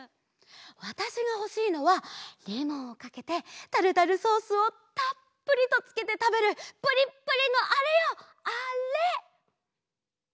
わたしがほしいのはレモンをかけてタルタルソースをたっぷりとつけてたべるプリップリのあれよあれ！